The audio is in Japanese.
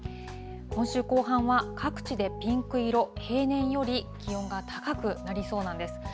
今週後半は、各地でピンク色、平年より気温が高くなりそうなんです。